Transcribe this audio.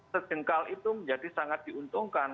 sejengkal itu menjadi sangat diuntungkan